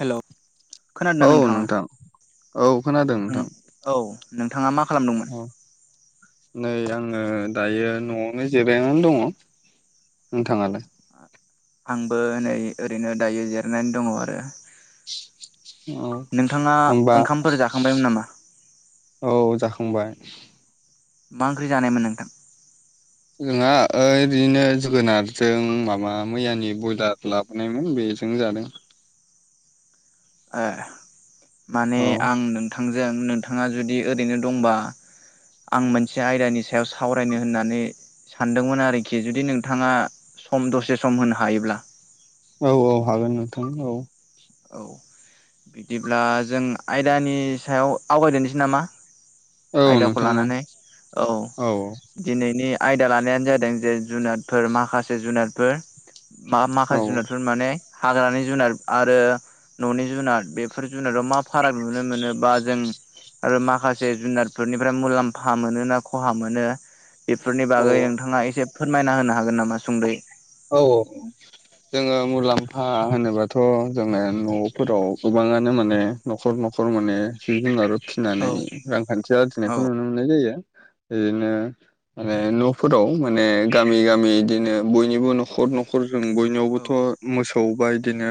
हेल' खोनादों औ ना नोंथाङा? नोंथां औ खोनादों नोंथां औ नोंथाङा मा खालामदोंमोन? औ नै आङो दायो न'आवनो जिरायनानै दङ नोंथाङालाय? आंबो नै ओरैनो दायो जिरायनानै दङ आरो। अ नोंथाङा होमबा ओंखामफोर जाखांबायमोन नामा? औ जाखांबाय‌। मा ओंख्रि जानायमोन नोंथां? जोंहा ओरैनो जोगोनारजों माबा मैयानि बयलार लाबोनायमोन बे जों जादों ए माने औ आं नोंथां थांजों नोंथाङा जुदि ओरैनो दंबा आं मोनसे आयदानि सायाव सावरायनो होननानै सानदोंमोन आरोखि जुदि नोंथाङा सम दसे सम होनो हायोब्ला। औ औ हागोन नोंथां औ। औ बिदिब्ला जों आयदानि सायाव आवगायनोसै नामा? औ आयदाखौ नोंथां औ लानानै औ दिनैनि आयदा लानायानो जादों जे जुनारफोर माखासे जुनादफोर मा मा औ जुनारफोर माने हाग्रानि जुनार आरो न'नि जुनाद बेफोर जुनाराव मा फाराग नुनो मोनो बा जों आरो माखासे जुनारफोरनिफ्राय मुलाम्फा मोनो ना खहा मोनो? बेफोरनि बागै नोंथाङा एसे फोरमायना होनो हागोन नामा सुंदै। औ औ जोङो मुलाम्फा होनोबाथ' जोङो न'फोराव गोबां गोबाङानो माने न'खर न'खर माने जिब जुनार औ फिनानै रांखान्थि औ आरजिनायखौ नुनो मोननाय जायो। बिदिनो माने न'फोराव माने गामि गामि इदिनो बय निबो न'खर न'खर जों औ बयनियावबोथ' मोसौ बा इदिनो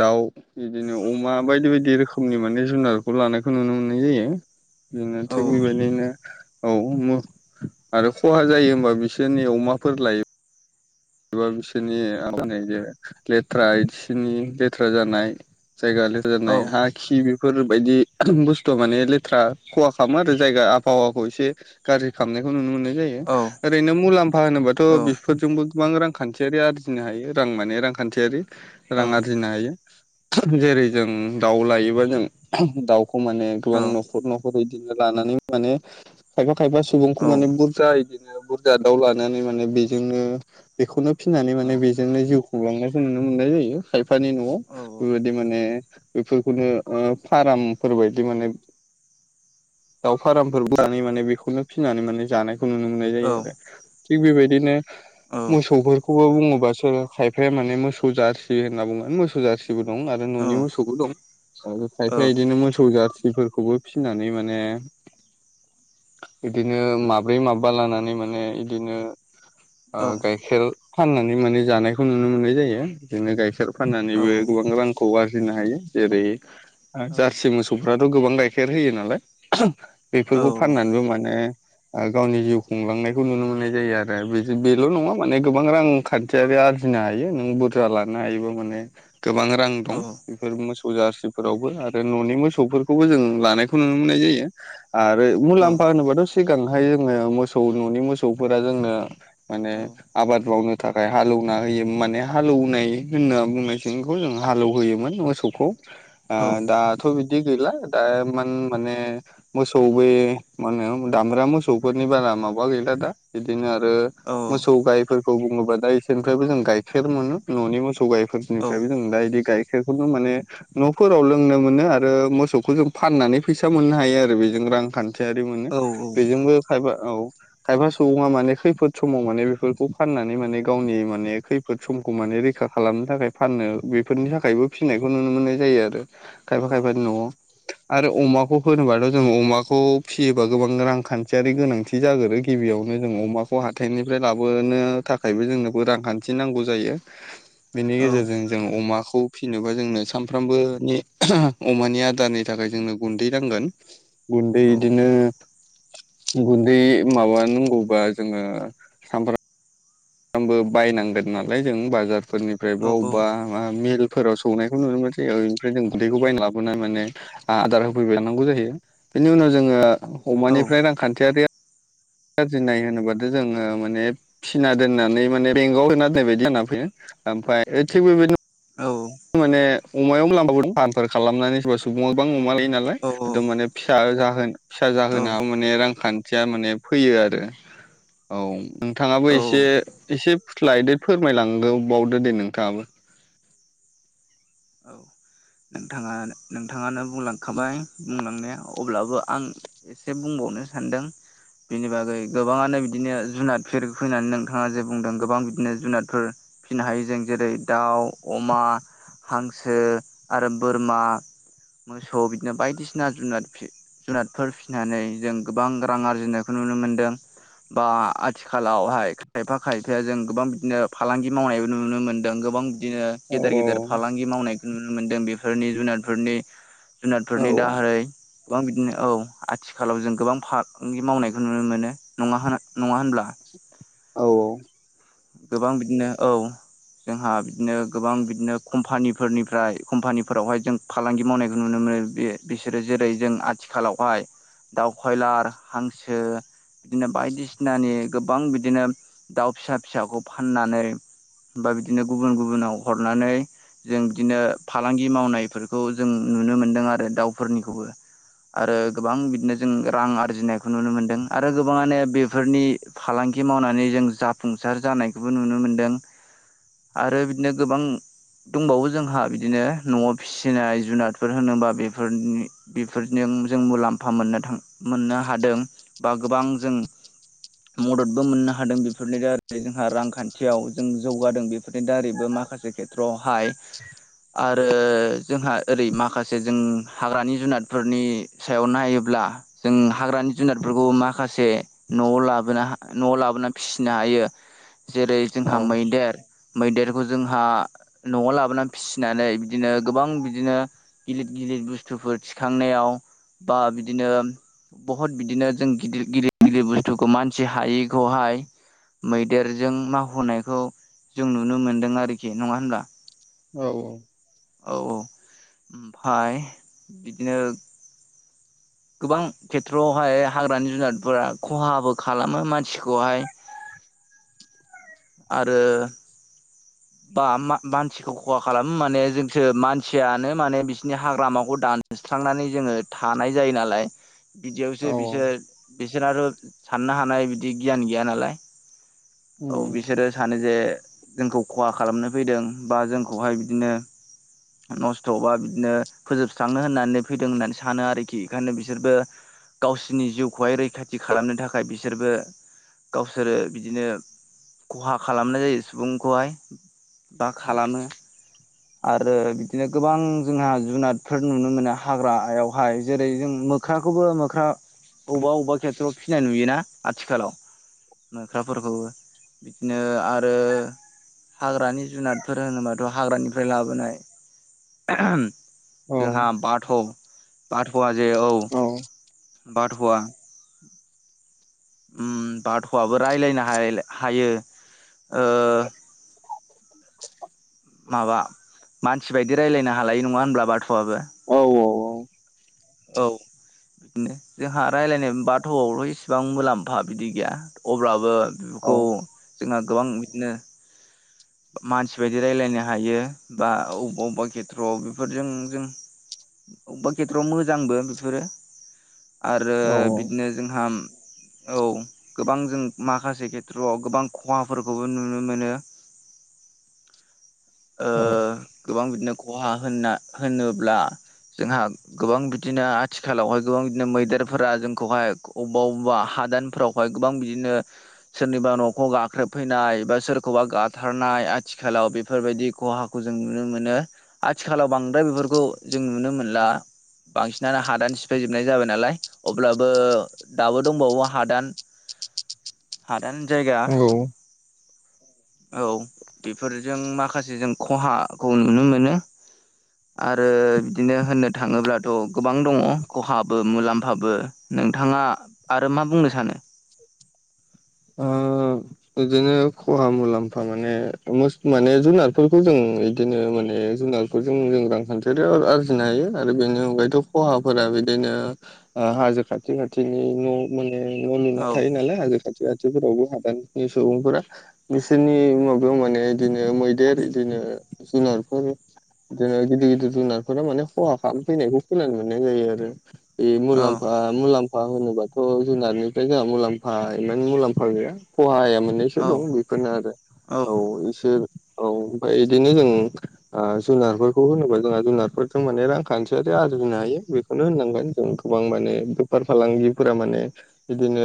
दाउ बिदिनो अमा बायदि बायदि रोखोमनि माने जुनारखौ लानायखौ नुनो मोननाय जायो‌। बिनो औ थिग बेबायदिनो औ मुरख आरो खहा जायो होमबा बिसोरनि अमाफोर लायो। एबा बिसोरनि मा होनो जे लेथ्रा इसिनि लेथ्रा जानाय। जायगा लेथरा नाय हा खि बि फोरबायदि बुस्थुआ माने लेथ्रा खहा खामो आरो जायगा आबहावाखौ एसे गाज्रि खामनाय खौ नुनो मोननाय जायो। औ ओरैनो मुलाम्फा होनोबाथ' औ बेफोरजोंबो गोबां रांखान्थियारि आरजिनो हायो। रां माने रांखान्थियारि औ रां आरजिनो हायो। जेरै जों दाउ लायोबा जों दाउखौ माने औ गोबां न'खर न'खर बिदिनो लानानै माने माने खायफा खायफा औ सुबुंखौ माने बुरजा बिदिनो बुरजा दाउ लानानै माने बेजोंनो [inaudible] बेखौनो फिनानै माने बेजोंनो जिउ खुंलांनाय जों नुनो मोननाय जायो। खायफानि न'आव औ बेबायदि माने बेफोरखौनो ओं फार्मफोरबायदि माने [inaudible] दाउ फारामफोर माने बेखौनो फिसिनानै माने जानाय नुनो मोननाय जायो आरो। थिग बेबायदिनो मोसौफोरखौबो बुङोब्ला सोर खायफाया माने मोसौ जारसि होनना बुङोन मोसौ जारसिबो दं आरो न' न'नि मोसौबो दं खायफा बिदिनो मोसौ जार सिफोरखौबो फिनानै माने बिदिनो माब्रै माब्बा लानानै माने बिदिनो ओ गाइखेर फाननानै माने जानायखौ नुनो मोननाय जायो। बिदिनो गाइखेर फाननानैबो गोबां रांखौबा आरजिनो हायो। जेरै आ जारसि मोसौफ्राथ' गोबां गाइखेर होयो नालाय। औ बेफोरखौ फाननानैबो माने ओ गावनि जिउ खुंलांनायखौ नुनो मोननाय जायो आरो बे बेल' नङा। माने गोबां रां खान्थियारि आरजिनो हायो। नों बुरजा लानो हायोबा माने औ गोबां रां नोंथाङा दं बेफोर मोस सौ जारचिफोरावबो आरो न'नि मसौ जों लानायखौ नुनो मोननाय जायो। आरो मुलाम फानोबाथ' सिगांहाय जोङो मोसौ न'नि मोसौफोरा जोंनो माने आबाद मावनो थाखाय हालौना होयो। माने हालौनाय होनना बुङो सिंखौ जों हालौहोयोमोन। मोसौखौ ओ दा फोरबिदि गैला दा मान माने मोसौ बे माने दामग्रा मोसौफोरनि एबाना माबा गैला दा बिदिनो आरो मोसौ गाय फोरखौ बुङोबा दा इसोरनिफ्रायबो जों गाइखेर मोनो। न'नि मोसौ गाइफोरनिफ्रायबो जों दा बिदि गाइखेरखौनो माने न'फोराव लोंनो मोनो आरो मोसौखौ जों फाननानै फैसा मोननो हायो आरो। बेजों रांखान थियारि मोनो बेजोंबो खायफा औ खायफा सुबुङा माने खैफोद समाव माने बेफोरखौ फाननानै माने गावनि माने खैफोद समखौ माने रैखा खालामनो थाखाय फाननो बेफोरनि थाखायबो फिनाय बेखौ नुनो मोननाय जायो आरो। खायफा खायफानि न'आव आरो अमाखौ होनोबाथ' जों अमाखौ फियोबा गोबां रांखान्थियारि गोनांथि जागोरो गिबियावनो जों अमाखौ हाथायनिफ्राय लाबोनो थाखायबो जोंनो रांखान्थि नांगौ जायो। बेनि गेजेरजों नोंथाङानो जों अमा खौ फिनोबा जोंनो सानफ्रामबोनि आं अमानि आदारनि थाखाय जोंनो गुन्दै नांगोन। गुन्दै इदिनो गुन्दै माबा नांगौबा जोङो सामफ्रा फ्रामबो बायनांगोन नालाय जों बाजारफोरनिफ्राय वबेबा ब मिल फोराव सौनायखौ नुनो मोनसै ओं ओमफ्राय जों गुन्दैखौ बायना लाबोना माने आदार होफैबाय थानांगौ जायो। बेनि उनाव जोङो अमानिफ्राय रांखान्थियारि आरजिनाय होनोबाथ' जोङो माने फिना दोननानै माने बेंकआव होना दोननाय बायदि दोनना फैयो। ओमफ्राय ओ थिगबेबायदिनो माने अमायाव लामाबो द आदार खालामनानै सोरबा सुबुङा गोबां अमा लायो नालाय एकदोम माने फिसा जाहोन फिसा जाहोनाव माने रांखान्थिया माने फैयो आरो । औ नोंथाङाबो एसे एसे फुस्लायदो फोरमायलां बावदो दे नोंथाङाबो । नोंथाङा नोंथाङानो बुंलांखाबाय बुंलांनाया अब्लाबो आं एसे बुंबावनो सानदों । बिनि बागै गोबाङानो बिदिनो जुनादफोर फिनानै नोंथाङा जे बुंदों गोबां बिदिनो जुनादफोर फिसिनो हायो जों जेरै दाउ, अमा, हांसो आरो बोरमा, मोसौ बिदिनो बायदिसिना जुनाद फियो। जुनादफोर फिसिनानै जों गोबां रां आरजिनायखौ नुनो मोनदों। बा आथिखालावहाय खायफा खायफाया जों गोबां बिदिनो फालांगि मावनायबो नुनो मोनदों गोबां बिदिनो औ गेदेर गेदेर फालांगि मावनायखौ नुनो मोनदों बेफोरनि जुनादफोरनि औ जुनारफोरनि दाहारै गोबां बिदिनो औ आथिखालाव जों गोबां फालांगि मावनायखौ नुनो मोनो नङा होन-नङा होनब्ला? औ औ। गोबां बिदिनो औ। जोंहा बिदिनो गोबां बिदिनो कम्पानिफोरनिफ्राय कम्पानिफोरावहाय जों फालांगि मावनायखौ नुनो मोन नो बिसोरो जेरै जों आथिखालावहाय दाउ खयलार हांसो बिदिनो बायदिसिनानि गोबां बिदिनो दाउ फिसा फिसाखौ फाननानै बा बिदिनो गुबुन गुबुनाव हरनानै जों बिदिनो फालांगि मावनायफोरखौ जों नुनो मोनदों आरो दाउफोरनिखौबो । आरो गोबां बिदिनो जों रां आरजिनायखौ नुनो मोनदों आरो गोबाङानो बेफोरनि फालां गि मावनानै जों जाफुंसार जानायखौबो नुनो मोनदों आरो बिदिनो गोबां दंबावो जोंहा बिदिनो न'आव फिसिनाय जुनादफोर होनोबा बेफोरनि बेफोरनि जों मुलाम्फा मोननो थां-मोननो हादों बा गोबां जों मददबो मोननो हादों बे बेफोरनि दारै जोंहा रांखान्थियाव जों जौगादों बेफोरनि दारैबो माखासे खेथ्र'आव हाय आरो ओ जोंहा ओरै माखासे जों हाग्रानि जुनादफोरनि सायाव नायोब्ला जों हाग्रानि जुनारफोरखौ माखासे न'आव लाबोना न'आव लाबोना फिसिनो हायो जेरै' औ जोंहा मैदेर मैदेरबो जोंहा न'आव लाबोनानै फिसिनानै बिदिनो गोबां बिदिनो गिलिर गिलिर जि बुस्थुफोर थिखांनायाव बा बिदिनो बहुत बिदिनो जों गिदिर गिदिर गिदिर बुस्थुखौ मानसि हायैखौहाय मैदेरजों मावहोनायखौ जों नुनो मोनदों आरोखि नङा होनब्ला? औ औ। औ औ ओमफ्राय बिदिनो गोबां खेथ्रआवहाय हाग्रानि जुनारफोरा खहाबो खालामो मानसिखौहाय। [inaudible] आरो बा मा-मानसिखौ खहा खालामो माने जोंसो मानसियानो माने बिसोरनि हाग्रामाखौ दान स्रांनानै जोङो थानाय जायो नालाय। बिदियावसो औ बिसोर बिसोरनाथ' साननो हानाय बिदि गियान गैया नालाय। औ बिसोरो सानो जे जोंखौ । खहा खालामनो फैदों बा जोंखौहाय बिदिनो नस्थ' बा बिदिनो फोजोबस्रङनो होननानै फैदों होननानै सानो आरोखि ओंखायनो बिसोरबो गावसोरनि जिउखौहाय रैखाथि खालामनो थाखाय बिसोरबो गावसोरो बिदिनो खहा खालामनाय जायो सुबुंखौहाय बा खालामो । आरो बिदिनो गोबां जोंहा जुनादफोर नुनो मोनो हाग्रायावहाय जेरै जों मोख्राखौबो मोख्रा अब्बा अब्बा खेथ्र'आव फिनाय नुयोना आथिखालाव? मोख्राफोरखौबो बिदिनो आरो हाग्रानि जुनादफोर होनोबाथ' हाग्रानिफ्राय लाबोनाय औ जोंहा बाथ' बाथ'आ जे औ। बाथ'आ ओम बाथ'आबो रायलायनो हायो। ओ माबा मानसि बायदि रायलायनो हालायो नङा होनब्ला बाथ'आबो । औ जोंहा रायलायनाय मोनबाथ' इसेबां मुलाम्फा बिदि गैया अब्लाबो खौ जोंहा गोबां बिदिनो मानसि बायदि रायजलायनो हायो बा अबेबा अबेबा खेथ्र'आव बेफोरजों जों अब्बा खेथ्र'आव मोजांबो बेफोरो आरो बिदिनो जोंहा औ गोबां जों माखासे खेथ्र'आव गोबां खहाफोरखौबो नुनो मोनो। ओ औ गोबां बिदिनो खहा होनना होनोब्ला जोंहा गोबां बि दिनो आथिखालावहाय गोबां बिदिनो मैदेरफोरा जोंखौहाय अबेबा अबेबा हादानफोरावहाय गोबां बिदि ओ सोरनिबा न'खौ गाख्रेबफैनाय बा सोरखौबा गाथारनाय आथिखालाव बेफोरबायदि खहाखौ जों नुनो मोनो आथिखालाव बांद्राय बेफोरखौ जों नुनो मोनला। बांसिनानो हादान सिफायजोबनाय जाबाय नालाय अब्लाबो दाबो दंबावो हादान हादान जायगा औ औ औ बेफोरजों माखासे जों खहाखौ नुनो मोनो । आरो बिदिनो होननो थाङोब्ला थ' गोबां दङ खहाबो मुलाम्फाबो नोंथाङा आरो मा बुंनो सानो । ओ बिदिनो खहा मुलाम्फा माने मो माने जुनारफोरखौ जों बिदिनो माने बे जुनारफोरजों जों जों रांखान्थिारि आरजिनो हायो आरो बेनि अनगायैथ' खहाफोरा बिदिनो ओ हाजो खाथि खाथिनि न' माने न' लुना औ थायो नालाय हाजो खाथि खा [unintelligible] फोरावबो हादाननि सुबुंफोरा बिसोरनि माबायाव माने इदिनो मैदेर इदिनो जुनारफोर ओ गिदिर- गिदिर जुनारफोरा माने खहा खालामफैनायखौ खोनानो मोननाय जायो आरो। बे औ मुलामफा मुलाम्फा होनोबाथ' जुनारनिफ्राय जोंहा मुलाम्फा माने मुलामफा उफाय गैया खहाया मोननैसो औ दं बेफोरनो आरो औ इसोर औ ओमफ्राय बिदिनो जों ओ जुनारफोरखौ होनोबा जोंहा जुनारफोरजों माने रांखान्थियारि आर जानो हायो बेखौनो होननांगोन जों गोबां माने बेफार फालांगिफोरा माने बिदिनो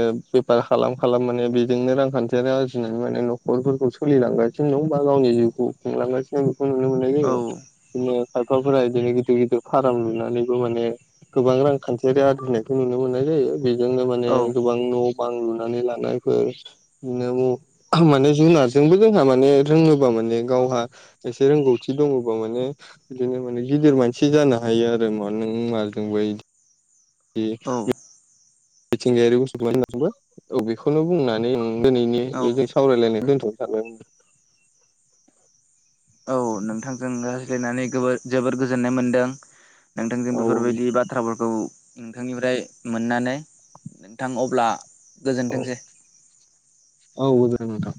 [unintelligible] खालाम-खालाम माने बेजोंनो रांखान्थियारि आरजिनानै माने नखरफोरखौ सोलिलांगासिनो दं बा गावनि जिउखौ खुंलांगासिनो दं। औ खायफाफोरा इदिनो गिदिर गिदिर फाराम लुनानैबो माने गोबां रांखान्थियारि आरजिनायखौ नुनो मोननाय जायो। बेजोंनो माने औ गोबां न' बां लुनानै लानाय फोर माने जुनारजोंबो जोंहा माने रोङोबा माने गावहा एसे रोंगौथि दङबा माने बिदिनो माने गिदिर मानसि जानो हायो आरो [unintelligible] औ [unintelligible] मिथिंगायारि [unintelligible] औ बेखौनो बुंनानै ओं दिनैनि औ बेजों सावरायलायनाय दोनथ'नो सानबाय । औ नोंथांजों रायज्लायनानै गोबोर जोबोर गोजोननाय मोनदों । नोंथांजों औ बेफोरबायदि बाथ्राफोरखौ नोंथांनिफ्राय मोननानै नोंथां अब्ला औ गोजोनथोंसै। ओं नोंथां